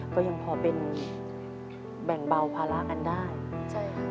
ก็ยังพอเป็นแบ่งเบาภาระกันได้